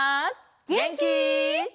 げんき？